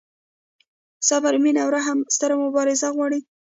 صبر، مینه او رحم ستره مبارزه غواړي.